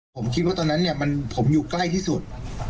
ผมคิดว่าตอนนั้นเนี่ยผมอยู่ใกล้ที่สุด